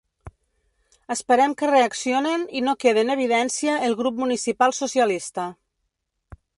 Esperem que reaccionen i no quede en evidència el grup municipal socialista.